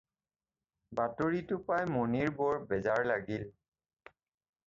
বাতৰিটো পাই মণিৰ বৰ বেজাৰ লাগিল।